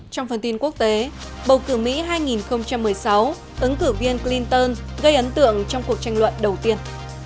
trong phần tin quốc tế bầu cử mỹ hai nghìn một mươi sáu ứng cử viên clinton gây ấn tượng trong cuộc tranh luận đầu tiên